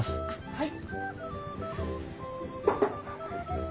はい。